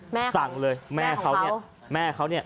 แม่ของเราสั่งเลยแม่เขาเนี่ย